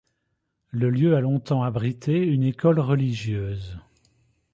Le lieu a longtemps abrité une école religieuse.